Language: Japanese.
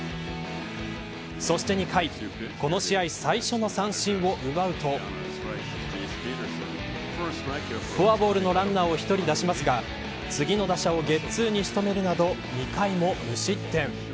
そして、２回この試合最初の三振を奪うとフォアボールのランナーを１人出しますが次の打者をゲッツ―に仕留めるなど２回も無失点。